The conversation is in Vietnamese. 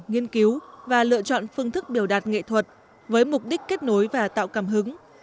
nghiên cứu và lựa chọn phương thức biểu đạt nghệ thuật với mục đích kết nối và tạo cảm hứng